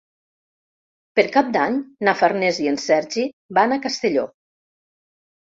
Per Cap d'Any na Farners i en Sergi van a Castelló.